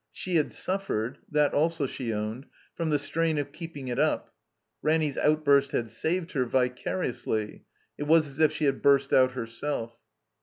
She had suffered (that also she owned) from the strain of keeping it up. Ranny's outburst had saved her, vicariously. It was as if she had btirst out herself.